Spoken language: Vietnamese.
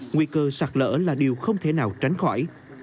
nguy cơ sạt lỡ là điều không thể nào tránh khỏi